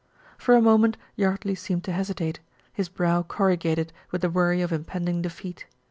For a moment Yardley seemed to hesitate, his brow corrugated with the worry of impending defeat.